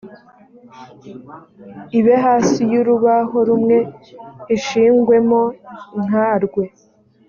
ibe hasi y urubaho rumwe ishingwemo inkarwe